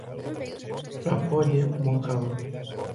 La Foye-Monjault